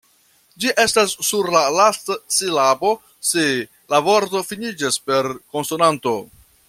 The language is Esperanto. Ĝi estas sur la lasta silabo, se la vorto finiĝas per konsonanto.